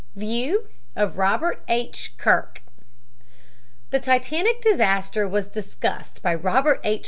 VIEW OF ROBERT H. KIRK The Titanic disaster was discussed by Robert H.